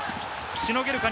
しのげるか？